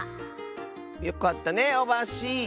よかったねオバッシー！